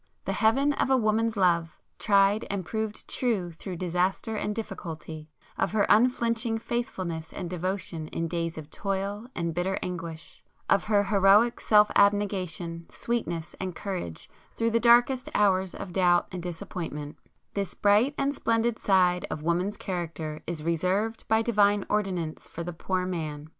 The heaven of a woman's love, tried and proved true through disaster and difficulty,—of her unflinching faithfulness and devotion in days of toil and bitter anguish,—of her heroic self abnegation, sweetness and courage through the darkest hours of doubt and disappointment;—this bright and splendid side of woman's character is reserved by Divine ordinance for the poor man.